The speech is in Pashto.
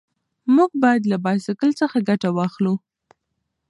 موږ باید له بایسکل څخه ګټه واخلو.